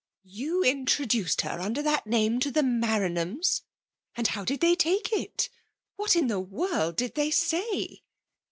You introduced her under that name to the Maranhams? And how did they take it? what in the world did they say